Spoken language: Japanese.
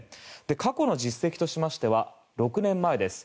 過去の実績としましては６年前です